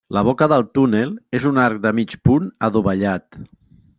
La boca del túnel és un arc de mig punt adovellat.